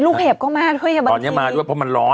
ลูกเห่บเข้ามาเฮ้ย